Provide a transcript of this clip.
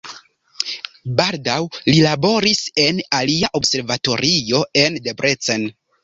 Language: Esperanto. Baldaŭ li laboris en alia observatorio en Debrecen.